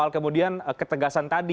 kemudian ketegasan tadi